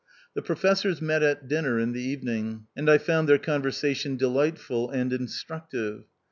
The Professors met at dinner in the even ing, and I found their conversation delight ful and instructive.